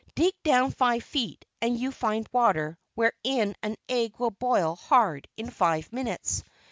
Dig down five feet and you find water wherein an egg will boil hard in five minutes.